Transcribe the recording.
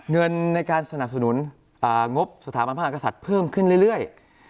เงินในการสนับสนุนงบสถาบันพระมหากษัตริย์เพิ่มขึ้นเรื่อย